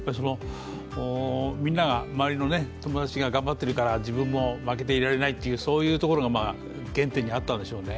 みんなが、周りの友達が頑張っているから自分も負けていられないっていうのが原点にあったんでしょうね。